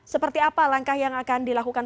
seperti apa langkah yang akan dilakukan